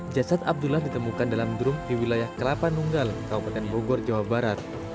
jasad abdullah ditemukan dalam drum di wilayah kelapa nunggal kabupaten bogor jawa barat